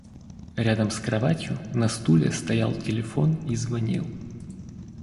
Рядом с кроватью, на стуле стоял телефон и звонил.